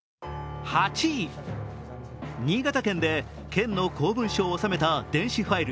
新潟県で県の公文書を収めた電子ファイル